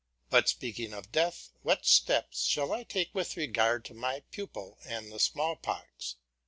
But speaking of death, what steps shall I take with regard to my pupil and the smallpox?